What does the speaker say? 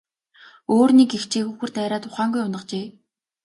Өөр нэг эгчийг үхэр дайраад ухаангүй унагажээ.